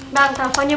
bang takpanya bu